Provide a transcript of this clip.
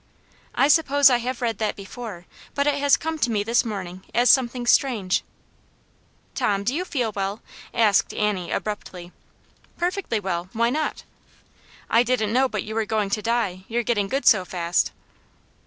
I sup pose I have read that before, but it has come to me this morning as something strange." Tom, do you feel well ?" asked Annie, abruptly. " Perfectly well ; why not ?"" I didn't know but you were going to die, you're getting good so fast."